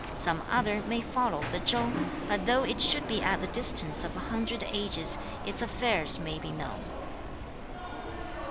Some other may follow the Chau, but though it should be at the distance of a hundred ages, its affairs may be known.'